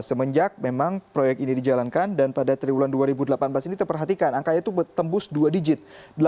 semenjak memang proyek ini dijalankan dan pada triwulan dua ribu delapan belas ini kita perhatikan angkanya itu tembus dua digit